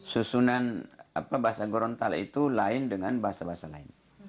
susunan bahasa gorontal itu lain dengan bahasa bahasa lain